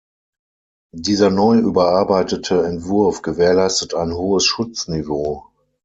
Dieser neu überarbeitete Entwurf gewährleistet ein hohes Schutzniveau.